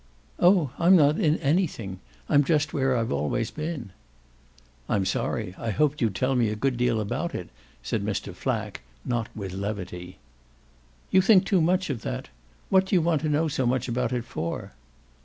"Oh I'm not in anything; I'm just where I've always been." "I'm sorry; I hoped you'd tell me a good lot about it," said Mr. Flack, not with levity. "You think too much of that. What do you want to know so much about it for?"